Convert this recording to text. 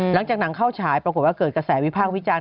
หลังจากหนังเข้าฉายปรากฏว่าเกิดกระแสวิพากษ์วิจารณ